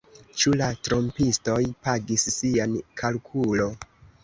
Ĉu la trompistoj pagis sian kalkulo